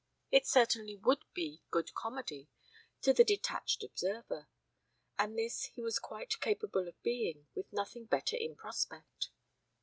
It certainly would be good comedy to the detached observer, and this he was quite capable of being with nothing better in prospect.